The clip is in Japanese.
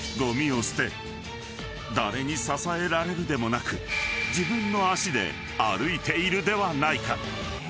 ［誰に支えられるでもなく自分の足で歩いているではないか］